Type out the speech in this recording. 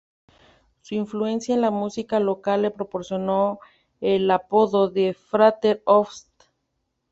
Su influencia en la música local le proporcionó el apodo de "Father of St.